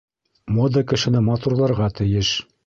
Мода кешене матурларға тейеш.